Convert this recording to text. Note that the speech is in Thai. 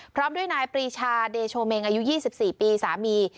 พร้อมด้วยนายปรีชาเดโชเมงอายุ๒๔ปีสามี